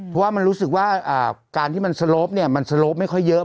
เพราะว่ามันรู้สึกว่าการที่มันสโลปมันสโลปไม่ค่อยเยอะ